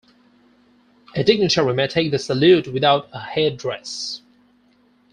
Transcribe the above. A dignitary may take the salute without a head dress.